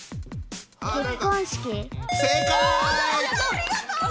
ありがとう！